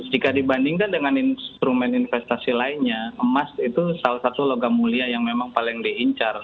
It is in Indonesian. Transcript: jika dibandingkan dengan instrumen investasi lainnya emas itu salah satu logam mulia yang memang paling diincar